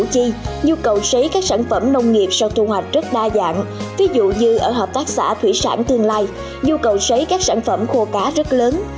các sản phẩm nông nghiệp sau thu hoạch rất đa dạng ví dụ như ở hợp tác xã thủy sản thương lai dù cầu xấy các sản phẩm khô cá rất lớn